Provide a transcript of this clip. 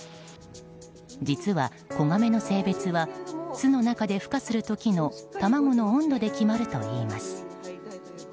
実は、子ガメの性別は巣の中で孵化する時の卵の温度で決まるといいます。